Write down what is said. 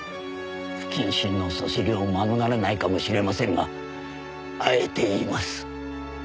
不謹慎のそしりを免れないかもしれませんがあえて言います。